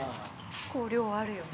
結構量あるよね。